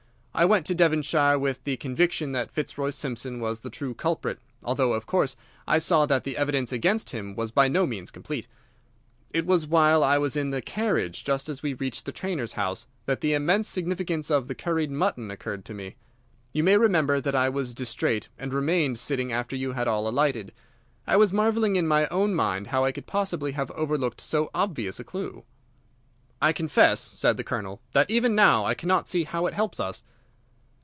I went to Devonshire with the conviction that Fitzroy Simpson was the true culprit, although, of course, I saw that the evidence against him was by no means complete. It was while I was in the carriage, just as we reached the trainer's house, that the immense significance of the curried mutton occurred to me. You may remember that I was distrait, and remained sitting after you had all alighted. I was marvelling in my own mind how I could possibly have overlooked so obvious a clue." "I confess," said the Colonel, "that even now I cannot see how it helps us."